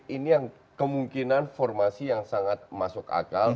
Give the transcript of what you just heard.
ini yang kemungkinan formasi yang sangat masuk akal